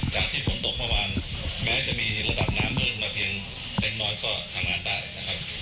จากที่ฝนตกเมื่อวานแม้จะมีระดับน้ำเพิ่มมาเพียงเล็กน้อยก็ทำงานได้นะครับ